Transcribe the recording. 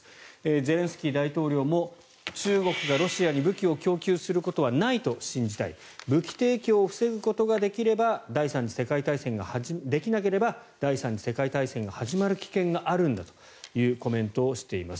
ゼレンスキー大統領も、中国がロシアに武器を供給することはないと信じたい武器提供を防ぐことができなければ第３次世界大戦が始まる危険があるんだというコメントをしています。